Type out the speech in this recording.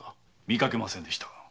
見かけませんでした。